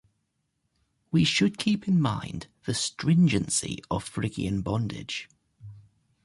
We should keep in mind the stringency of Phrygian bondage.